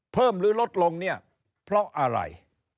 หรือลดลงเนี่ยเพราะอะไร